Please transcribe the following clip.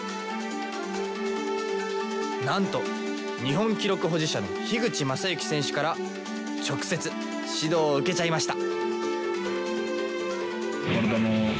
なんと日本記録保持者の口政幸選手から直接指導を受けちゃいました！